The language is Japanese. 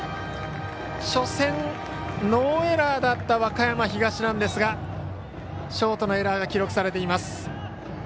初戦、ノーエラーだった和歌山東ですがショートのエラーが記録されています。